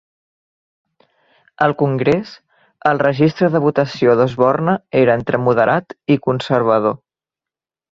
Al Congrés, el registre de votació d'Osborne era entre moderat i conservador.